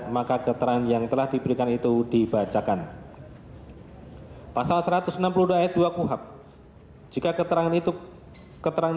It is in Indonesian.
maka keterangan yang telah diberikan itu dibacakan pasal satu ratus enam puluh dua ayat dua kuhap jika keterangan itu keterangan